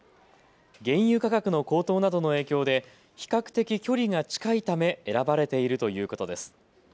原油価格の高騰などの影響で比較的距離が近いため選ばれているということです。